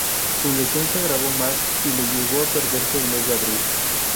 Su lesión se agravó más y le llevó a perderse el mes de Abril.